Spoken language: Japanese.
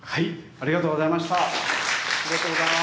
ありがとうございます。